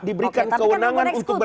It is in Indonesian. diberikan kewenangan untuk ber